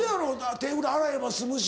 手ぐらい洗えば済むし。